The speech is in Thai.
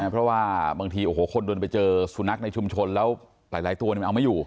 เพราะว่าบางทีโอ้โหคนเดินไปเจอสุนัขในชุมชนแล้วหลายตัวมันเอาไม่อยู่